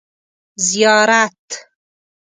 ـ زیارت.